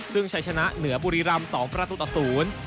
ซึ่งใช้ชนะเหนือบุรีรำสองประตูต่อศูนย์